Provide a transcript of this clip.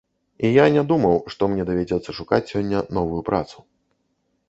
І я не думаў, што мне давядзецца шукаць сёння новую працу.